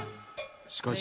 しかし。